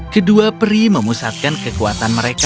kedua peri memusatkan kekuatan mereka